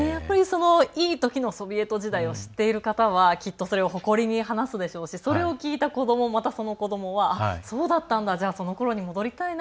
いいときのソビエト時代を知っている方は、きっとそれを誇りに話すでしょうしそれを聞いた子どもさらにその子どもはそうだったんだそのころに戻りたいな。